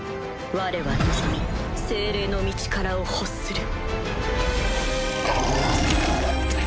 われは望み精霊の御力を欲する。